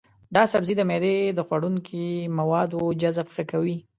دا سبزی د معدې د خوړنکي موادو جذب ښه کوي.